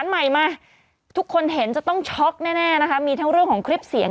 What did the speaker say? ใหม่มาทุกคนเห็นจะต้องช็อกแน่นะคะมีทั้งเรื่องของคลิปเสียง